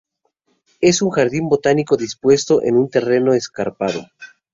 Es un Jardín botánico dispuesto en un terreno escarpado.